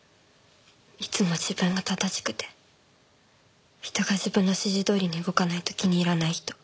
いつも自分が正しくて人が自分の指示どおりに動かないと気に入らない人。